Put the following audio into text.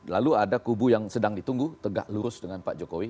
lalu ada kubu yang sedang ditunggu tegak lurus dengan pak jokowi